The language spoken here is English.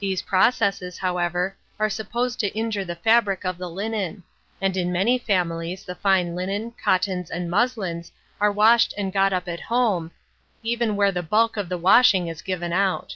These processes, however, are supposed to injure the fabric of the linen; and in many families the fine linen, cottons, and muslins, are washed and got up at home, even where the bulk of the washing is given out.